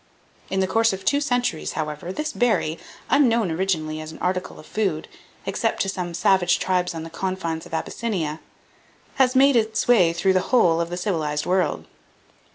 In the course of two centuries, however, this berry, unknown originally as an article of food, except to some savage tribes on the confines of Abyssinia, has made its way through the whole of the civilized world.